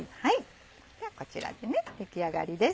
ではこちらで出来上がりです。